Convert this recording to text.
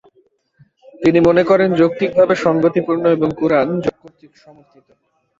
তিনি মনে করেন যৌক্তিকভাবে সংগতিপূর্ণ এবং কুরআন কর্তৃক সমর্থিত।